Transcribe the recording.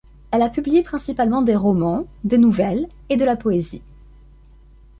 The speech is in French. Elle a publié principalement des romans, des nouvelles et de la poésie.